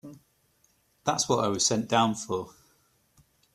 That's what I was sent down for.